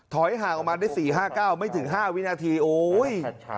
ห่างออกมาได้๔๕๙ไม่ถึง๕วินาทีโอ๊ย